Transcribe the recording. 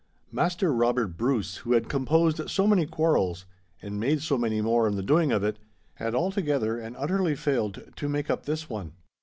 Maister Robert Bruce, who had composed so many quarrels (and made so many more in the doing of it), had altogether and utterly failed to make up this one.